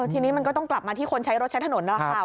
ทีนี้มันก็ต้องกลับมาที่คนใช้รถใช้ถนนนะคะ